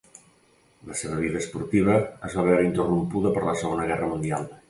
La seva vida esportiva es va veure interrompuda per la Segona Guerra Mundial.